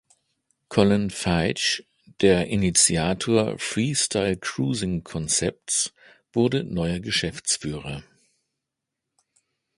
Colin Veitch, der Initiator Freestyle Cruising-Konzepts, wurde neuer Geschäftsführer.